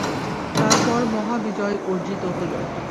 তারপর মহা বিজয় অর্জিত হল।